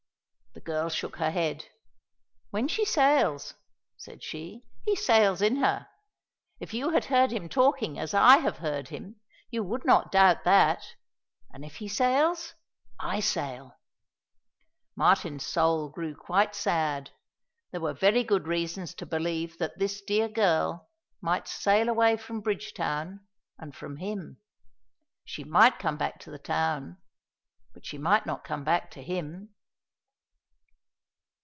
The girl shook her head. "When she sails," said she, "he sails in her. If you had heard him talking as I have heard him, you would not doubt that. And if he sails, I sail." Martin's soul grew quite sad. There were very good reasons to believe that this dear girl might sail away from Bridgetown, and from him. She might come back to the town, but she might not come back to him.